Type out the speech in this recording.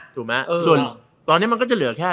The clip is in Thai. ถูกไหมส่วนตอนนี้มันก็จะเหลือแค่